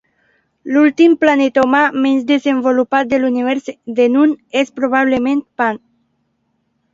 L'últim planeta humà menys desenvolupat de l'univers de Noon és probablement Pant.